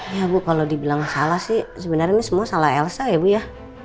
ya bu kalau dibilang salah sih sebenarnya ini semua salah elsa ya bu ya